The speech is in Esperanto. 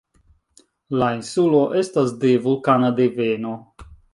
La insulo estas de vulkana deveno.